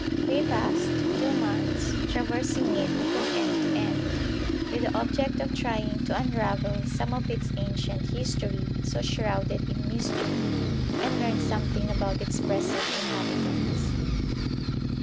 We passed two months traversing it from end to end, with the object of trying to unravel some of its ancient history so shrouded in mystery, and learn something about its present inhabitants.